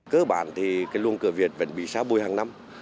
cơ bản thì cái luông cửa việt vẫn bị xá bùi hàng năm